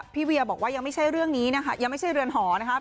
เวียบอกว่ายังไม่ใช่เรื่องนี้นะคะยังไม่ใช่เรือนหอนะครับ